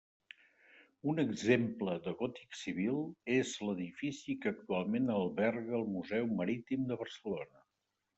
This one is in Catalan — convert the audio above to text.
Un exemple de gòtic civil és l'edifici que actualment alberga el museu marítim de Barcelona.